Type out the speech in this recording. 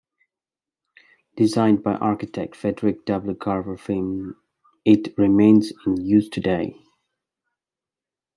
Designed by architect Frederick W. Garber's firm it remains in use today.